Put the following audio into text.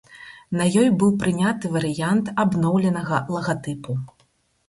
На ёй быў прыняты варыянт абноўленага лагатыпу.